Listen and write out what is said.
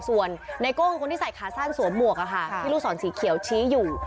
ส่วนไนโก้คือคนที่ใส่ขาสั้นสวมหมวกที่ลูกศรสีเขียวชี้อยู่